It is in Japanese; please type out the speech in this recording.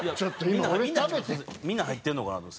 みんな入ってるのかなと。